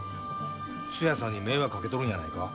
ツヤさんに迷惑かけとるんやないか？